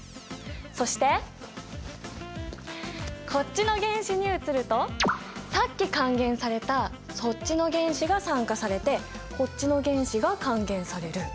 そしてこっちの原子に移るとさっき還元されたそっちの原子が酸化されてこっちの原子が還元される。